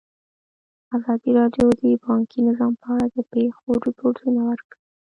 ازادي راډیو د بانکي نظام په اړه د پېښو رپوټونه ورکړي.